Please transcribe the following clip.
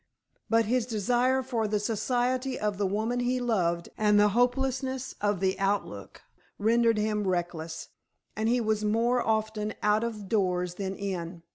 But his desire for the society of the woman he loved, and the hopelessness of the outlook, rendered him reckless, and he was more often out of doors than in.